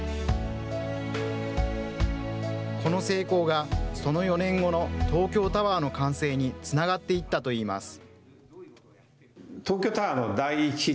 この成功が、その４年後の東京タワーの完成につながっていったといいます。